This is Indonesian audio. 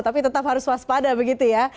tapi tetap harus waspada begitu ya